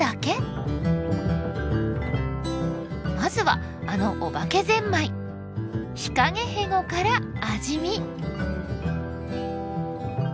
まずはあのお化けゼンマイヒカゲヘゴから味見。